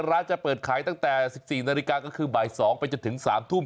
ร้านจะเปิดขายตั้งแต่๑๔นาฬิกาก็คือบ่าย๒ไปจนถึง๓ทุ่ม